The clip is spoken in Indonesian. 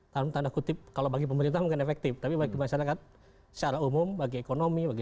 dalam tanda kutip kalau bagi pemerintah mungkin efektif tapi bagi masyarakat secara umum bagi ekonomi